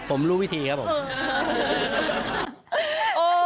ผมรู้วิธีครับผม